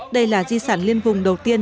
đây là di sản liên vùng đầu tiên